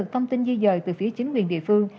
thông tin di dời từ phía chính quyền địa phương